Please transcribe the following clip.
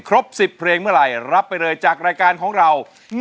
ครบ๑๐เพลงเมื่อไหร่รับไปเลยจากรายการของเรา